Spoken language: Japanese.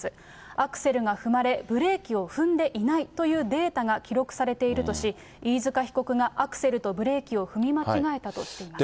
アクセルが踏まれ、ブレーキを踏んでいないというデータが記録されているとし、飯塚被告がアクセルとブレーキを踏み間違えたとしています。